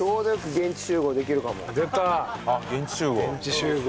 現地集合できるか？